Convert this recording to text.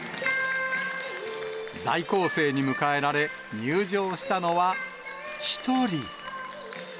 在校生に迎えられ、入場したのは、１人。